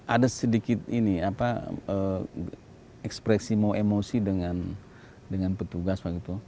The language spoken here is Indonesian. ada sedikit ini ekspresi mau emosi dengan petugas